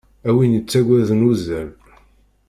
A win yettaggaden uzzal.